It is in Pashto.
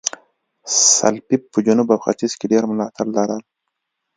سلپيپ په جنوب او ختیځ کې ډېر ملاتړي لرل.